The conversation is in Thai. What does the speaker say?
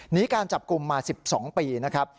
หนีการจับกลุ่มมา๑๒ปีนะครับ